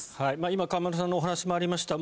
今河村さんのお話にもありました